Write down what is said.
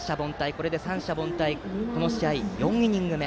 これで三者凡退はこの試合、４イニング目。